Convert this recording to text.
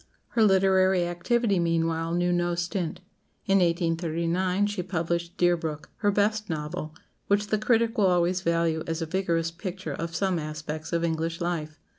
Her literary activity, meanwhile, knew no stint. In 1839 she published "Deerbrook," her best novel, which the critic will always value as a vigorous picture of some aspects of English life.